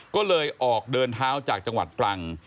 ก็เลยออกเดินเท้าจากจังหวัดตรัง